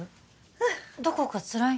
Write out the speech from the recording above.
うんどこかつらい？